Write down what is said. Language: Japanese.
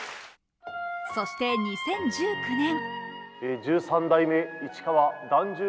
そして２０１９年。